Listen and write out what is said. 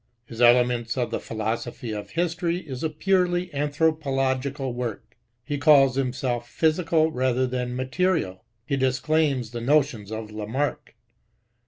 His Elements of the Philosophy of History is a purely Anthro pological Work. He calls himself Physical rather than Material. He disclaims the notions of Lamarck.